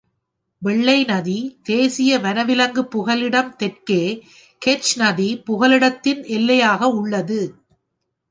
வெள்ளை நதி தேசிய வனவிலங்கு புகலிடம் தெற்கே கேச் நதி புகலிடத்தின் எல்லையாக உள்ளது.